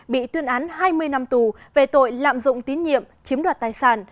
bị tuyên án hai mươi năm tù về tội lạm dụng tín nhiệm chiếm đoạt tài sản